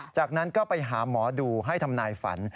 จากนั้นก็ไปหาหมอดูให้ทำนายฝัน